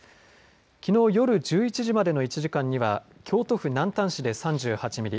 きのう夜１１時までの１時間には京都府南丹市で３８ミリ